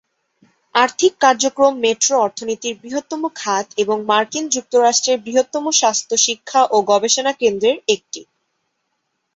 আর্থিক কার্যক্রম মেট্রো অর্থনীতির বৃহত্তম খাত এবং মার্কিন যুক্তরাষ্ট্রের বৃহত্তম স্বাস্থ্য শিক্ষা ও গবেষণা কেন্দ্রের একটি।